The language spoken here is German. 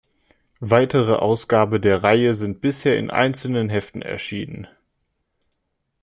Weitere Ausgabe der Reihe sind bisher in einzelnen Heften erschienen.